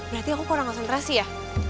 berarti aku kurang konsentrasi ya